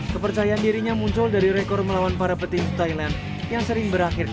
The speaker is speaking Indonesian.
kepercayaan dirinya muncul dari rekor melawan para petinju thailand yang sering berakhir